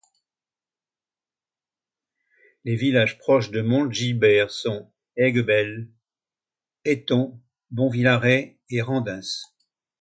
Les villages proches de Montgilbert sont Aiguebelle, Aiton, Bonvillaret, et Randens.